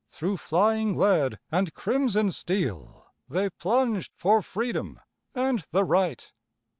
Through flying lead and crimson steel They plunged for Freedom and the Right.